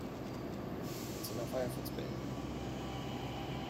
Mozilla Firefox beenden.